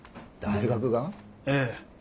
大学が？ええ。